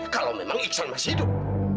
kalau memang iksan masih hidup